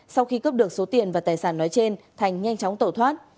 sau khi cướp được số tiền và tài sản nói trên thành nhanh chóng tẩu thoát